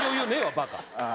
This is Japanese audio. バカ。